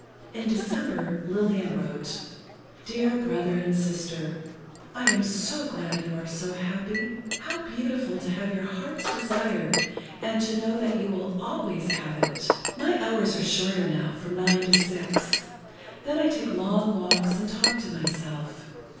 In December, Lillian wrote: Dear Brother and Sister: I am so glad you are so happy. How beautiful to have your heart's desire, and to know that you will always have it.... My hours are shorter, now, from nine to six. Then I take long walks and talk to myself.